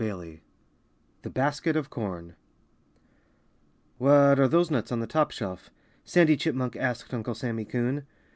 VIII THE BASKET OF CORN "What are those nuts on the top shelf?" Sandy Chipmunk asked Uncle Sammy Coon.